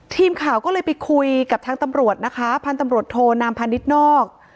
ทีมข่าวก็เลยไปคุยกับทางตำรวจนะคะพันธุ์ตำรวจโทนามพาณิชย์นอก